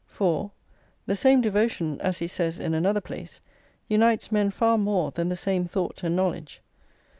For, "The same devotion," as he says in another place, "unites men far more than the same thought and knowledge."